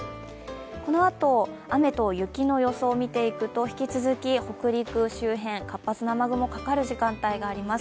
このあと雨と雪の予想を見ていくと引き続き北陸周辺、活発な雨雲かかる時間帯があります。